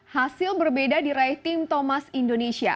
hasil berbeda diraih tim thomas indonesia